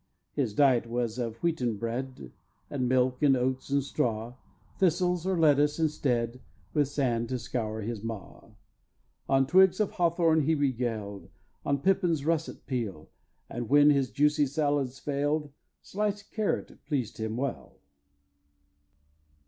"His diet was of wheaten bread, And milk, and oats, and straw; Thistles, or lettuces instead, With sand to scour his maw. "On twigs of hawthorn he regaled, On pippin's russet peel, And when his juicy salads failed, Sliced carrot pleased him well."